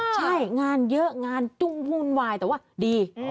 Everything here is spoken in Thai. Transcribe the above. ใช่งานเยอะงานจุ้งวุ่นวายแต่ว่าดี